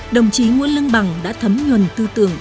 đồng chí nguyễn lương bằng đã thấm nhuần tư tưởng